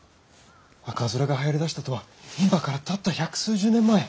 赤面がはやりだしたとは今からたった百数十年前！